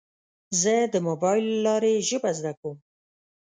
زه د موبایل له لارې ژبه زده کوم.